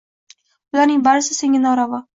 Bularning barisi senga noravo!